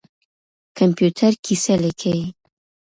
کمپيوټر کيسه ليکي.